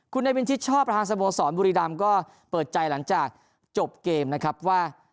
คุณเนวินชิดชอบประธานสโมสรบุรีรำก็เปิดใจหลังจากจบเกมนะครับว่า